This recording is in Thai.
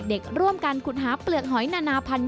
เด็กร่วมกันขุดหาเปลือกหอยนานาพันธุ์